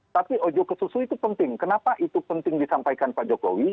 tapi ojo ke susu itu penting kenapa itu penting disampaikan pak jokowi